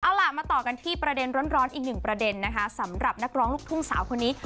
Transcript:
เอาล่ะมาต่อกันที่ประเด็นร้อนอีกหนึ่งประเด็นนะคะสำหรับนักร้องลูกทุ่งสาวคนนี้